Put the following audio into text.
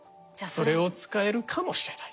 それを使えるかもしれない。